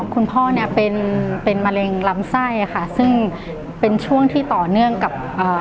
คุณพ่อเป็นมะเร็งล้ำไส้ซึ่งเป็นช่วงที่ต่อเนื่องกับ